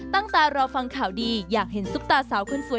ตารอฟังข่าวดีอยากเห็นซุปตาสาวคนสวย